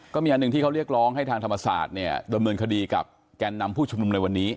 ก็มีอันหนึ่งที่เขาเรียกร้องให้ทางธรรมศาสตร์เนี่ยดำเนินคดีกับแกนนำผู้ชุมนุมในวันนี้